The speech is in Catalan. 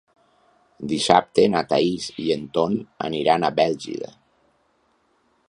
Dissabte na Thaís i en Ton aniran a Bèlgida.